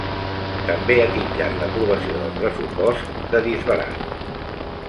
També ha titllat l’aprovació del pressupost de ‘disbarat’.